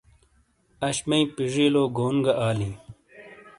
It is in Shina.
آش مئی پیجیلو گون گہ آلی۔